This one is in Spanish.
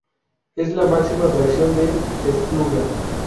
Es la máxima atracción de Espluga.